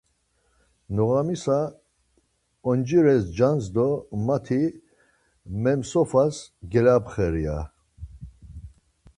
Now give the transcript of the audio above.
Noğamisa onciras cans do mati memsofas gelapxer ya.